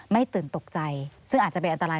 ตื่นตกใจซึ่งอาจจะเป็นอันตราย